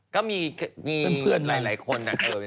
ก็มีคนนะเออเป็นเพื่อนแน่น